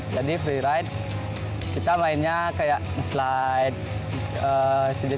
jadi free ride kita mainnya seperti menge slide